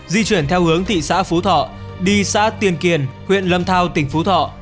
di chuyển theo hướng thị xã phú thọ đi xã tiên kiền huyện lâm thao tỉnh phú thọ